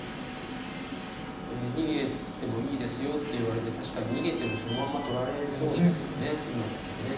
「逃げてもいいですよ」と言われて確かに逃げてもそのまんま取られそうですか今だと。